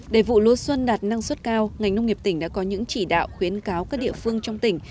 để vụ lúa xuân đạt năng suất cao ngành nông nghiệp tỉnh đã có những chỉ đạo khuyến cáo các địa phương trong tỉnh